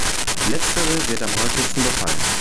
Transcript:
Letztere wird am häufigsten befallen.